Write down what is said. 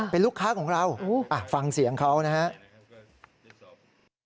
เป็นลูกค้าของเราฟังเสียงเขานะครับ